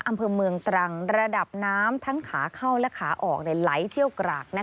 อำเภอเมืองตรังระดับน้ำทั้งขาเข้าและขาออกไหลเชี่ยวกราก